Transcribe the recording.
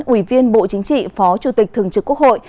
ủy viên bộ chính trị phó chủ tịch thường trực quốc hội